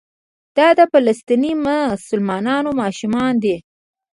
دا د فلسطیني مسلمانانو ماشومان دي.